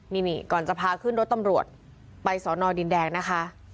นี่ก่อนจะพาขึ้นรถตำรวจไปสอนอดินแดงนะคะ